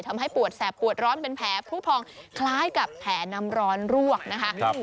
ทำให้ปวดแสบปวดร้อนเป็นแผลผู้พองคล้ายกับแผลน้ำร้อนรวกนะคะ